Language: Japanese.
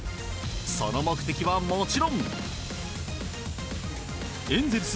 その目的はもちろんエンゼルス